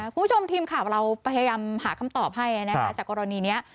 คุณผู้ชมทีมข่าวเราพยายามหาคำตอบให้นะคะจากกรณีนี้